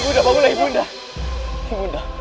bangunlah ibu nda